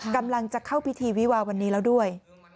กำลังจะเข้าพิธีวิวาวันนี้แล้วด้วย